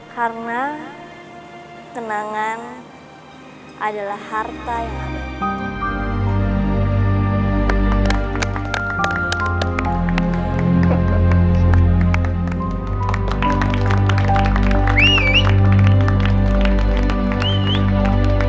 karena kenangan adalah harta yang ada